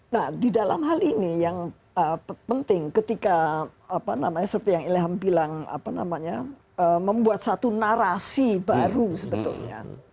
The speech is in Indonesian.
nah di dalam hal ini yang penting ketika seperti yang ilham bilang membuat satu narasi baru sebetulnya